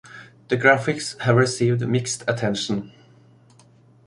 The graphics have received mixed attention.